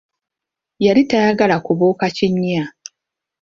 Yali tayagala kubuuka kinnya.